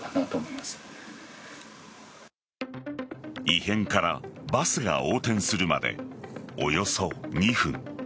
異変からバスが横転するまでおよそ２分。